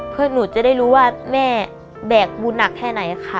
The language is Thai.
เพื่อหนูจะได้รู้ว่าแม่แบกบุญหนักแค่ไหนค่ะ